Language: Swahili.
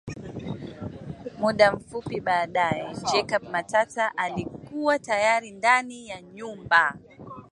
Muda mfupi baadae Jacob Matata alikuwa tayari ndani ya nyumba